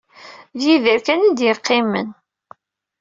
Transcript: D Yidir kan ay d-yeqqimen.